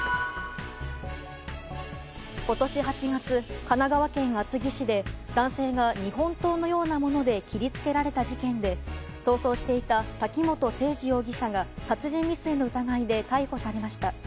今年８月、神奈川県厚木市で男性が日本刀のようなもので切り付けられた事件で逃走していた滝本斉二容疑者が殺人未遂の疑いで逮捕されました。